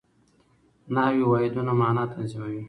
نحوي واحدونه مانا تنظیموي.